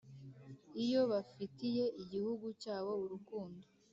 Iyo bafitiye igihugu cyabo urukundo